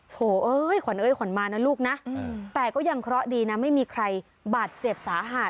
โหเอ้ยขวัญเอ้ยขวัญมานะลูกนะแต่ก็ยังเคราะห์ดีนะไม่มีใครบาดเจ็บสาหัส